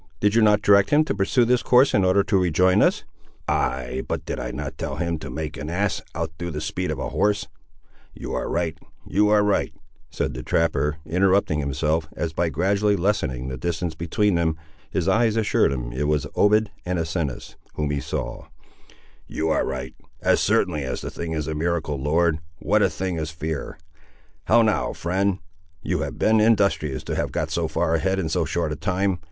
did you not direct him to pursue this course, in order to rejoin us?" "Ay, but I did not tell him to make an ass outdo the speed of a horse:—you are right—you are right," said the trapper, interrupting himself, as by gradually lessening the distance between them, his eyes assured him it was Obed and Asinus, whom he saw; "you are right, as certainly as the thing is a miracle. Lord, what a thing is fear! How now, friend; you have been industrious to have got so far ahead in so short a time.